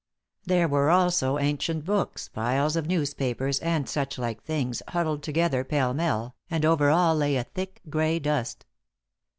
There were, also, ancient books, piles of newspapers, and suchlike things huddled together pell mell, and over all lay a thick, grey dust.